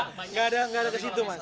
gak ada gak ada kesitu mas